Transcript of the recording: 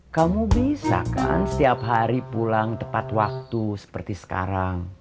kamu bisa kan setiap hari pulang tepat waktu seperti sekarang